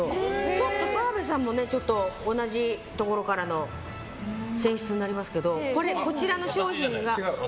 ちょっと澤部さんも同じところからの選出になりますけどこちらの商品が。